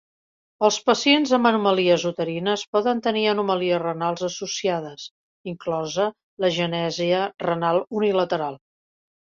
Els pacients amb anomalies uterines poden tenir anomalies renals associades, inclosa l'agenèsia renal unilateral.